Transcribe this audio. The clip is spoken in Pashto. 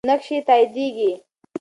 نقش یې تاییدیږي.